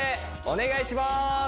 お願いします！